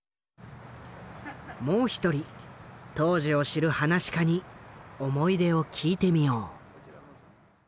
もう１人当時を知る噺家に思い出を聞いてみよう。